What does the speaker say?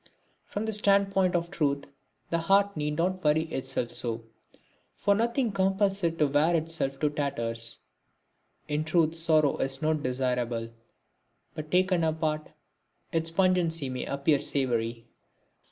From the standpoint of truth the heart need not worry itself so; for nothing compels it to wear itself to tatters. In truth sorrow is not desirable, but taken apart its pungency may appear savoury.